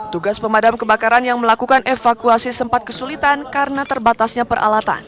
tugas pemadam kebakaran yang melakukan evakuasi sempat kesulitan karena terbatasnya peralatan